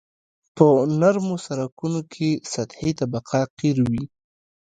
په نرمو سرکونو کې سطحي طبقه قیر وي